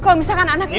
kalau misalkan anak itu